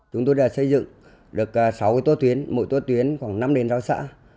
chúng tôi đã xây dựng được sáu tố tuyến mỗi tố tuyến khoảng năm đền rau xã